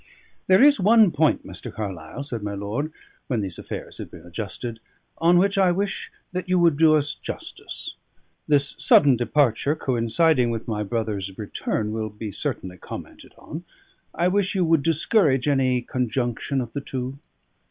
"There is one point, Mr. Carlyle," said my lord, when these affairs had been adjusted, "on which I wish that you would do us justice. This sudden departure coinciding with my brother's return will be certainly commented on. I wish you would discourage any conjunction of the two."